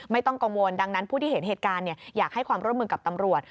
ไม่ต้องกังวลดังนั้นผู้ที่เห็นเหตุการณ์อยากให้ความร่วมมือกับตำรวจ